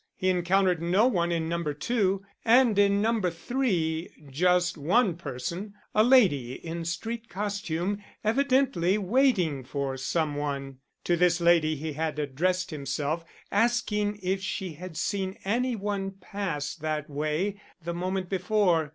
He encountered no one in No. 2, and in No. 3 just one person, a lady in street costume evidently waiting for some one. To this lady he had addressed himself, asking if she had seen any one pass that way the moment before.